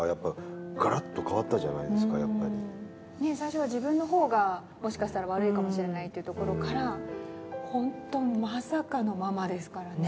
最初は自分の方がもしかしたら悪いかもしれないというところからホントまさかのママですからね。